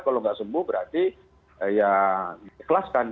kalau nggak sembuh berarti ya diikhlaskan